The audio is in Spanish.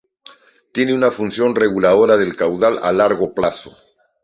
Tiene una función reguladora del caudal a largo plazo.